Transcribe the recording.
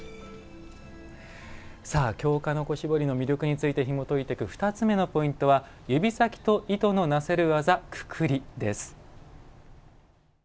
京鹿の子絞りの魅力についてひもといていく２つ目のポイントは「指先と糸のなせる技くくり」。